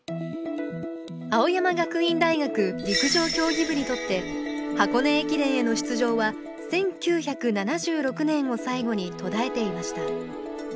青山学院大学陸上競技部にとって箱根駅伝への出場は１９７６年を最後に途絶えていました。